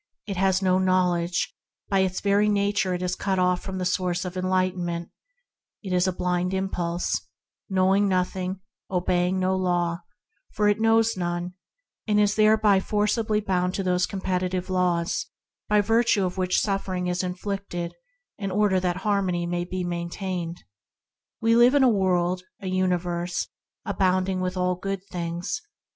It has no real knowledge; by its very nature it is cut off from the source of enlighten ment; it is a blind impulse, knowing nothing; obeying no law, for it knows none; and is thereby forcibly bound to those competitive laws by virtue of which suffering is inflicted in order that harmony may be maintained. We live in a world, a universe, abounding in all good things.